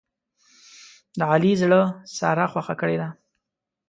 د علي زړه ساره خوښه کړې ده.